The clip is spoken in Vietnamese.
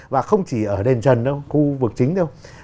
và không chỉ ở đền trần đâu khu vực chính đâu